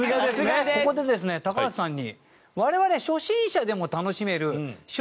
ここでですね、高橋さんに。